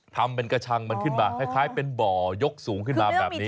ทำเป็นกระชังมันขึ้นมาคล้ายเป็นบ่อยกสูงขึ้นมาแบบนี้